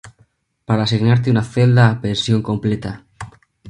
para asignarte una celda a pensión completa